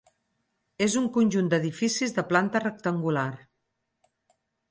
És un conjunt d'edificis de planta rectangular.